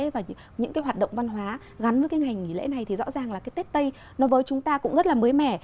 và những cái hoạt động văn hóa gắn với cái ngày nghỉ lễ này thì rõ ràng là cái tết tây nói với chúng ta cũng rất là mới mẻ